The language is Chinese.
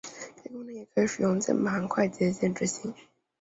该功能也可以使用键盘快捷键执行。